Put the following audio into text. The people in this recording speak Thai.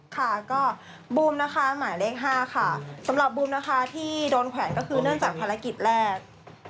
ค่ะก็บูมนะคะหมายเลข๕ค่ะสำหรับบูมนะคะที่โดนแขวนก็คือเนื่องจากภารกิจแรก